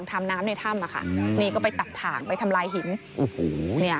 ทำน้ำในถ้ำอ่ะค่ะนี่ก็ไปตัดถ่างไปทำลายหินโอ้โหเนี่ย